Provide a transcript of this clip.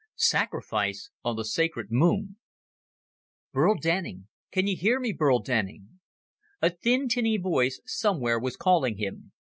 Sacrifice on the Sacred Moon "Burl Denning! Can you hear me, Burl Denning?" A thin, tinny voice somewhere was calling him.